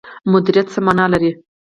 مدیریت څه مانا لري؟